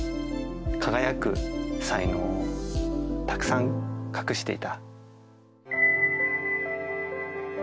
輝く才能をたくさん隠していた。